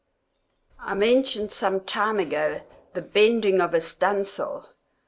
I mentioned some time ago the bending of a studding sail.